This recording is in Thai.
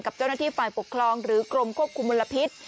กับเจ้าหน้าที่ฝ่ายปกครองหรือกรมควบคุมมลพิษ